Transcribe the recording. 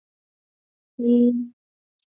八月奉令开赴察哈尔省怀来县。